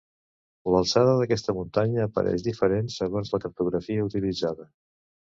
L'alçada d'aquesta muntanya apareix diferent segons la cartografia utilitzada.